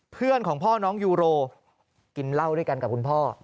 เพื่อนของพ่อน้องยูโรกินเหล้าด้วยกันกับคุณพ่อ